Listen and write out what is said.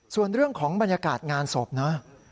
ส่วนเรื่องของบรรยากาศงานศพนะ